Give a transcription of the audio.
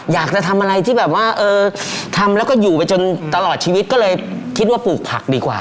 อยากจะทำอะไรที่แบบว่าเออทำแล้วก็อยู่ไปจนตลอดชีวิตก็เลยคิดว่าปลูกผักดีกว่า